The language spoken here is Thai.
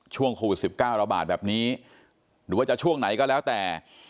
ช่วงโควิด๑๙ระบาดแบบนี้หรือว่าจะช่วงไหนก็แล้วแต่